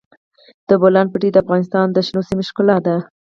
د بولان پټي د افغانستان د شنو سیمو ښکلا ده.